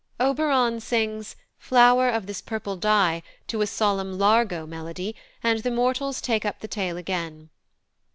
Oberon sings "Flower of this purple dye" to a solemn largo melody, and the mortals take up the tale again.